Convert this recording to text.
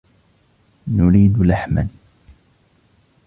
نريد لحما.